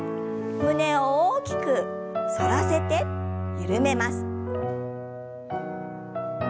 胸を大きく反らせて緩めます。